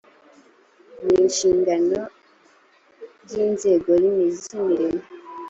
n inshingano by inzego z imirimo